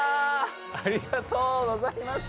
ありがとうございます。